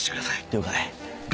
了解。